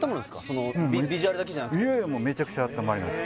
そのビジュアルだけじゃなくていやいやもうめちゃくちゃあったまります